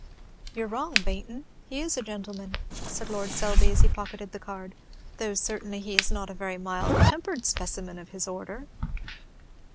"You're wrong, Baynton, he is a gentleman," said Lord Selby, as he pocketed the card, "though certainly he is not a very mild tempered specimen of his order."